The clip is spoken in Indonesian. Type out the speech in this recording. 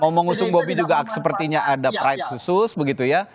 ngomong usung bobi juga sepertinya ada pride khusus begitu ya